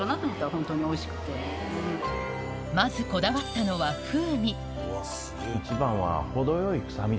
まずこだわったのは一番は。